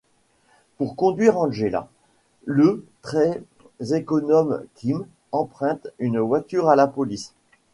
Pour conduire Angela, le très économe Kim emprunte une voiture à la police.